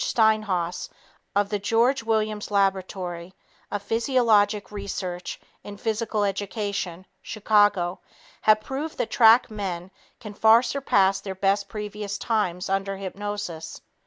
Steinhaus of the George Williams Laboratory of Physiologic Research in Physical Education, Chicago, have proved that track men can far surpass their best previous times under hypnosis.